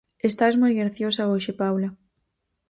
Estás moi graciosa hoxe, Paula.